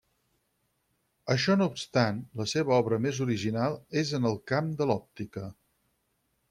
Això no obstant, la seva obra més original és en el camp de l'òptica.